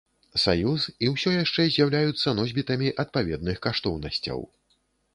Саюз і ўсё яшчэ з'яўляюцца носьбітамі адпаведных каштоўнасцяў.